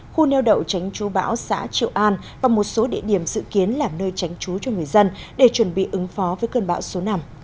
khu neo đậu tránh chú bão xã triệu an và một số địa điểm dự kiến là nơi tránh trú cho người dân để chuẩn bị ứng phó với cơn bão số năm